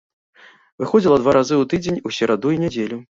Выходзіла два разу ў тыдзень у сераду і нядзелю.